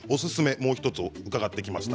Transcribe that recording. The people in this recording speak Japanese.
もう１つ伺ってきました。